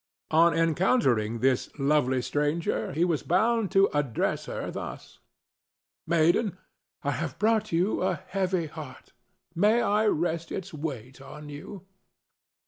On encountering this lovely stranger he was bound to address her thus: "Maiden, I have brought you a heavy heart. May I rest its weight on you?"